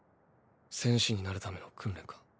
戦士になるための訓練か？